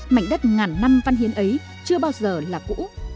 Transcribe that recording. mảnh đất ngàn năm văn hiến ấy chưa bao giờ là cũ